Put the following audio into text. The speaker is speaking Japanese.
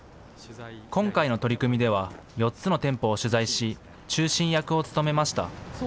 今回の取り組みでは４つの店舗を取材し、中心役を務めました。